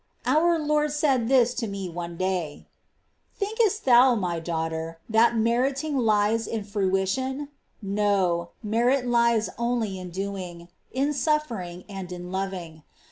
21. Our Lord said tliis to me one day :" Thinkest „.•^.. Merit. thou, My daughter, that meriting lies in fruition ? No ; merit lies only in doing, in suffering, and in loving.